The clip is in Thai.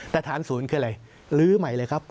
แต่ฐานศูนย์คืออะไรลื้อใหม่เลยครับ